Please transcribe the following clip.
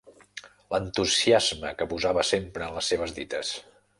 L’entusiasme que posava sempre en les seves dites.